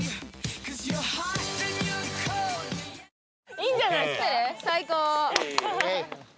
いいんじゃないっすか？